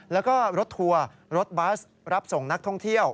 แล้วก็รถทัวร์รถบัสรับส่งนักท่องเที่ยว